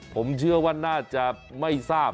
ผมเชื่อว่าน่าจะไม่ทราบ